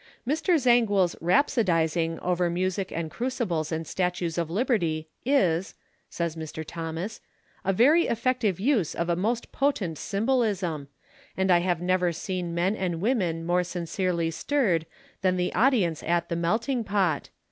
"Mr. Zangwill's 'rhapsodising' over music and crucibles and statues of Liberty is," says Mr. Thomas, "a very effective use of a most potent symbolism, and I have never seen men and women more sincerely stirred than the audience at The Melting Pot.